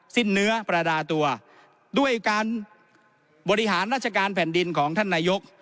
สิ้นเนื้อประดาตัวด้วยการบริหารราชการแผ่นดินของท่านนายก